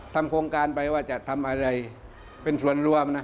ทำโครงการไปว่าจะทำอะไรเป็นส่วนรวมนะ